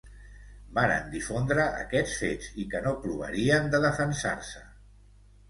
Varen difondre aquests fets i que no provarien de defensar-se.